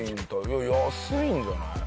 いや安いんじゃない？